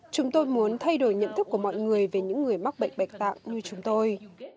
chúng tôi muốn thay đổi nhận thức của mọi người về những người mắc bệnh bạch tạng như chúng tôi